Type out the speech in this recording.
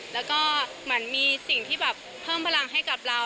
แล้วก็เหมือนมีสิ่งที่แบบเพิ่มพลังให้กับเรา